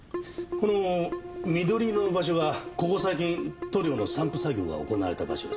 この緑色の場所がここ最近塗料の散布作業が行われた場所です。